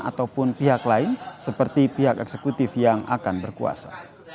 ataupun pihak lain seperti pihak eksekutif yang akan berkuasa